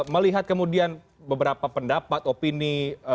melihat kemudian beberapa pendapat opini